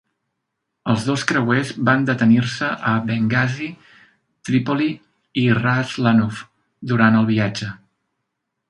Els dos creuers van detenir-se a Bengasi, Trípoli i Ra's Lanuf durant el viatge.